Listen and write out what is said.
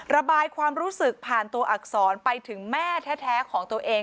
ระบายความรู้สึกผ่านตัวอักษรไปถึงแม่แท้ของตัวเอง